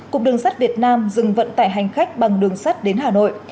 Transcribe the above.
cục đường sắt việt nam dừng vận tải hành khách bằng đường sắt đến hà nội